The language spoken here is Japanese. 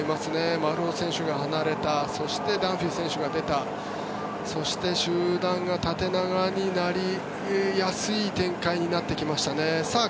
丸尾選手が離れたそしてダンフィー選手が出たそして、集団が縦長になりやすい展開になってきましたね。